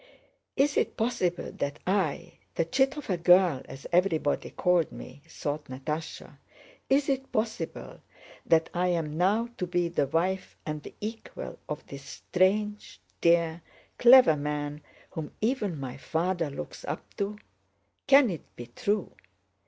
"Is it possible that I—the 'chit of a girl,' as everybody called me," thought Natásha—"is it possible that I am now to be the wife and the equal of this strange, dear, clever man whom even my father looks up to? Can it be true?